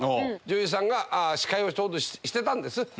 女優さんが司会をちょうどしてたんです。